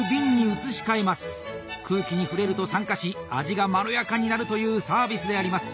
空気に触れると酸化し味がまろやかになるというサービスであります。